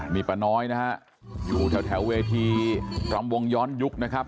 นี่ป้าน้อยนะฮะอยู่แถวเวทีรำวงย้อนยุคนะครับ